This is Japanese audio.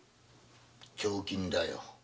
彫金だよ。